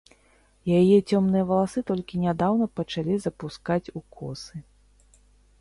Яе цёмныя валасы толькі нядаўна пачалі запускаць у косы.